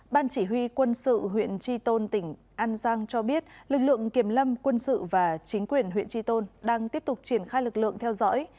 ban chỉ huy quân sự huyện tri tôn tỉnh an giang cho biết lực lượng kiềm lâm quân sự và chính quyền huyện tri tôn đang tiếp tục triển khai lực lượng theo dõi